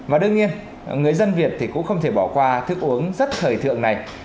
và đương nhiên người dân việt cũng không thể bỏ qua thức uống rất khởi thượng này